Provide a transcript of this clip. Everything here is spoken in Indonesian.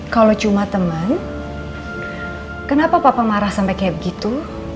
kalau cuma teman kenapa papa marah sampai kayak begitu